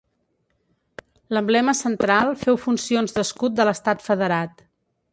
L'emblema central féu funcions d'escut de l'estat federat.